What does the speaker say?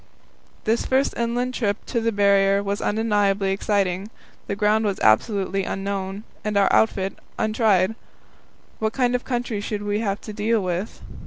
This first inland trip on the Barrier was undeniably exciting. The ground was absolutely unknown, and our outfit untried. What kind of country should we have to deal with?